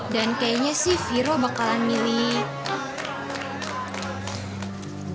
dan kayaknya sih viro bakalan milih